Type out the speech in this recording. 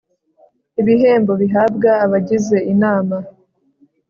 ibihembo bihabwa abagize inama